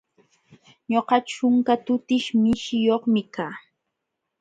Ñuqa ćhunka tukish mishiyuqmi kaa.